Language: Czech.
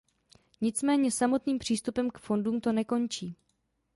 Nicméně samotným přístupem k fondům to nekončí.